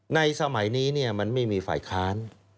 ในสมัยนี้มันไม่มีฝ่ายค้าน